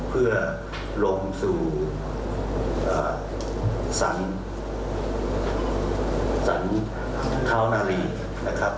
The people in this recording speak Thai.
เพื่อลงสู่อ่าสรรค์สรรค์ท้าวนาลีนะครับ